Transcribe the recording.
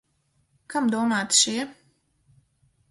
Kam domāti šie?